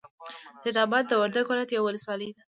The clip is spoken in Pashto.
سیدآباد د وردک ولایت یوه ولسوالۍ ده.